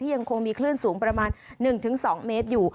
ยังคงมีคลื่นสูงประมาณ๑๒เมตรอยู่